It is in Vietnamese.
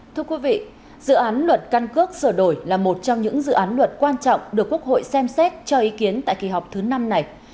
thưa quý vị dự án luật căn cước sửa đổi là một trong những dự án luật quan trọng được quốc hội xem xét cho ý kiến tại kỳ họp thứ năm này